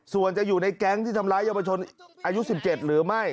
ส่วนจะอยู่ในแก๊งที่ทำร้ายเยาวชนอายุ๑๗หรือไม่